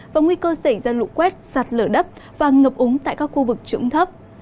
và nguy cơ xảy ra lụ quét sạt lở đất và ngập úng tại các khu vực trụng thấp